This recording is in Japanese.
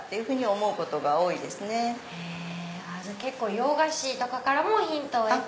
洋菓子とかからもヒントを得て。